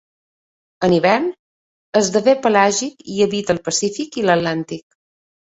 En hivern esdevé pelàgic i habita al Pacífic i l'Atlàntic.